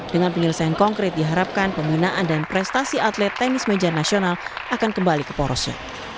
dengan penyelesaian konkret diharapkan pembinaan dan prestasi atlet tenis meja nasional akan kembali ke porosnya